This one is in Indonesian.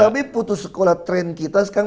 kami putus sekolah tren kita sekarang